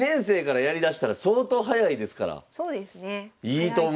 いいと思う！